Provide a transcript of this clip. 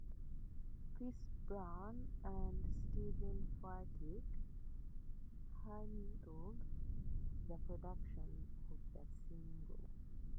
Chris Brown and Steven Furtick handled the production of the single.